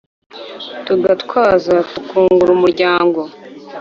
Tugatwaza tukungura umuryango